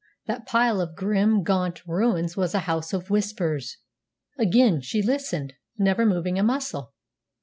That pile of grim, gaunt ruins was a House of Whispers! Again she listened, never moving a muscle.